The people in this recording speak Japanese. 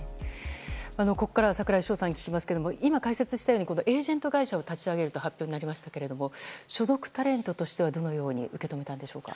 ここからは櫻井翔さんに聞きますが、今聞きましたようにエージェント会社を立ち上げると発表になりましたが所属タレントとしてはどのように受け止めましたか？